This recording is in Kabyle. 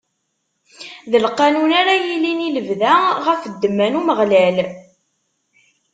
D lqanun ara yilin i lebda ɣef ddemma n Umeɣlal.